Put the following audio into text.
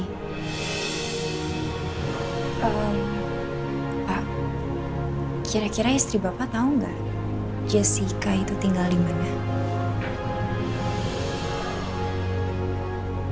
pak kira kira istri bapak tahu nggak jessica itu tinggal di mana